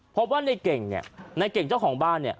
พบว่าในเก่งเนี่ยในเก่งเจ้าของบ้านเนี่ย